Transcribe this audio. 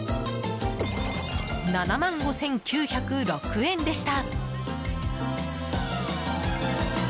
７万５９０６円でした。